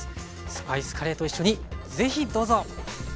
スパイスカレーと一緒にぜひどうぞ。